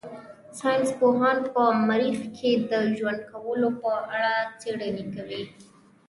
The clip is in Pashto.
ساينس پوهان په مريخ کې د ژوند کولو په اړه څېړنې کوي.